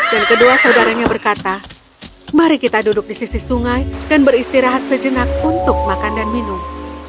dan kedua saudaranya berkata mari kita duduk di sisi sungai dan beristirahat sejenak untuk makan dan minum